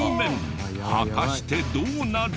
果たしてどうなる？